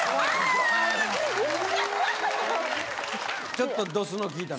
ちょっとドスのきいた。